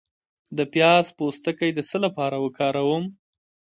د پیاز پوستکی د څه لپاره وکاروم؟